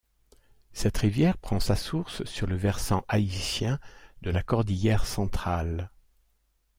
Cette rivière prend sa source sur le versant haïtien de la Cordillère Centrale.